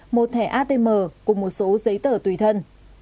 một thẻ atm cùng một số giấy tờ tùy thân